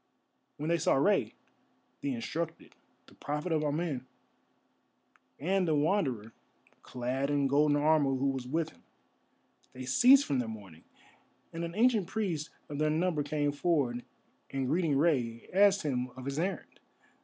When they saw Rei, the instructed, the Prophet of Amen, and the Wanderer clad in golden armour who was with him, they ceased from their mourning, and an ancient priest of their number came forward, and, greeting Rei, asked him of his errand.